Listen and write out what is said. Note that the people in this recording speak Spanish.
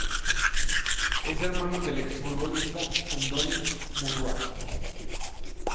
Es hermano del exfutbolista Andoni Murua.